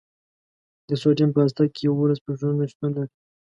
د سوډیم په هسته کې یوولس پروتونونه شتون لري.